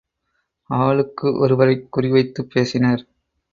ஆளுக்கு ஒருவரைக் குறிவைத்துப் பேசினர்.